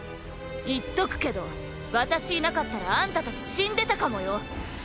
言っとくけど私いなかったらあんた達死んでたかもよ。